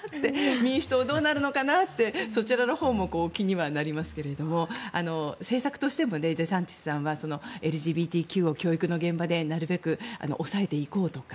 民主党、どうなるのかなってそちらのほうも気にはなりますが政策としてもデサンティスさんはＬＧＢＴＱを教育の現場でなるべく抑えていこうとか